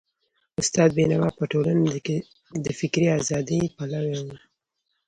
استاد بينوا په ټولنه کي د فکري ازادۍ پلوی و.